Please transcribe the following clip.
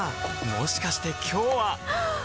もしかして今日ははっ！